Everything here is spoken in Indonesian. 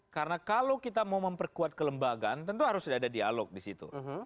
karena kalau kita mau memperkuat kelembagaan tentu harus ada dialog di situ